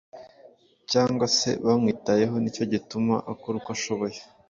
cyangwa se bamwitayeho, nicyo gituma akora uko ashoboye